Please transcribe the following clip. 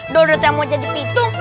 dorot yang mau jadi pitung